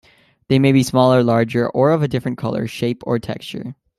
They may be smaller, larger, or of a different color, shape, or texture.